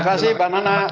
terima kasih bang nana